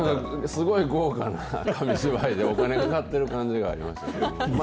すごい豪華な紙芝居で、お金がかかってる感じがありましたけどね。